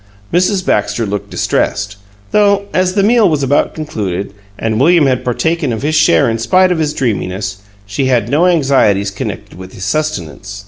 Mrs. Baxter looked distressed, though, as the meal was about concluded, and William had partaken of his share in spite of his dreaminess, she had no anxieties connected with his sustenance.